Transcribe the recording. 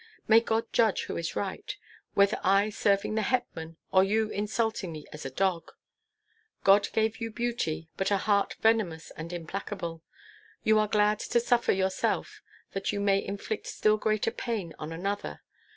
May God judge who is right, whether I serving the hetman, or you insulting me as a dog. God gave you beauty, but a heart venomous and implacable. You are glad to suffer yourself, that you may inflict still greater pain on another.